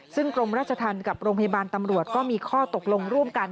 ซึ่งกรมราชธรรมกับโรงพยาบาลตำรวจก็มีข้อตกลงร่วมกัน